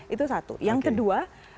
itu satu yang kedua